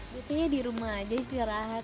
biasanya di rumah aja sih rahat